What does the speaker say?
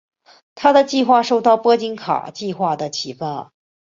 他的计划受到波金卡计划的启发。